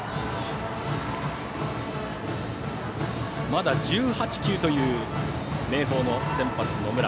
まだ１８球という明豊の先発、野村。